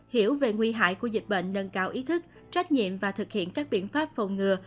hiểu về nguy hại của dịch bệnh nâng cao ý thức trách nhiệm và thực hiện các biện pháp phòng ngừa